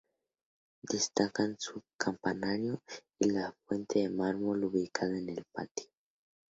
Destacan su campanario y la fuente de mármol ubicada en el patio.